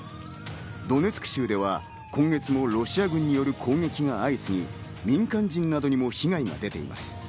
ドネツク州では今月もロシア軍による攻撃が相次ぎ、民間人などにも被害が出ています。